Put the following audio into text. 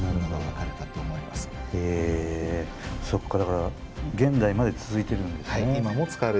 そっかだから現代まで続いてるんですね。